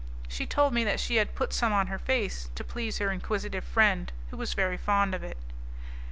She told me that she had put some on her face to please her inquisitive friend, who was very fond of it.